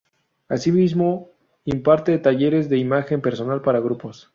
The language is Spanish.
Asimismo, imparte talleres de imagen personal para grupos.